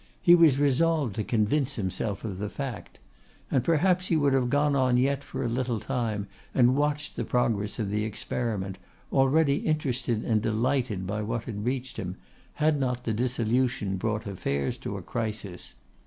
He was resolved to convince himself of the fact. And perhaps he would have gone on yet for a little time, and watched the progress of the experiment, already interested and delighted by what had reached him, had not the dissolution brought affairs to a crisis.